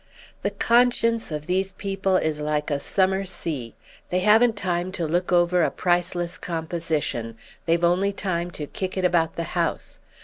"The conscience of these people is like a summer sea. They haven't time to look over a priceless composition; they've only time to kick it about the house.